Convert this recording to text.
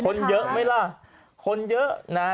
คนเยอะไหมล่ะ